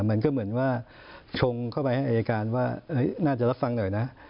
มันก็เหมือนว่าชงเข้าไปให้อายการว่าน่าจะรับฟังหน่อยนะ